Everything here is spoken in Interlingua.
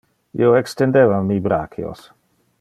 Io extendeva mi brachios.